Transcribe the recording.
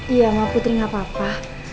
iya sama putri gak apa apa